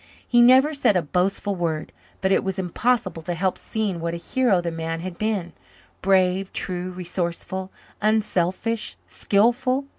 He never said a boastful word, but it was impossible to help seeing what a hero the man had been brave, true, resourceful, unselfish, skilful.